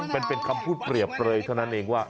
เป็นคำพูดเปรียบเลยเท่านั้นเองว่า